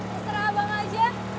terserah abang aja